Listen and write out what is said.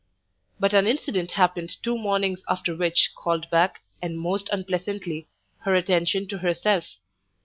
But an incident happened two mornings after which called back, and most unpleasantly, her attention to herself.